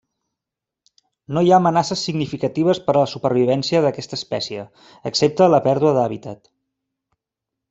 No hi ha amenaces significatives per a la supervivència d'aquesta espècie, excepte la pèrdua d'hàbitat.